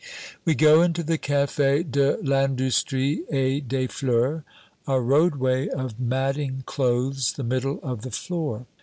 We go into the Cafe de l'Industrie et des Fleurs. A roadway of matting clothes the middle of the floor.